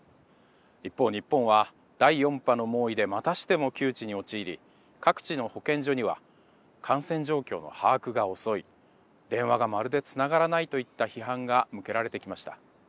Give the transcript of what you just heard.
一方日本は第４波の猛威でまたしても窮地に陥り各地の保健所には「感染状況の把握が遅い」「電話がまるでつながらない」といった批判が向けられてきました。